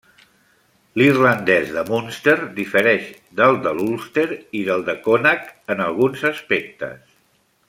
L'irlandès de Munster difereix del de l'Ulster i del de Connacht en alguns aspectes.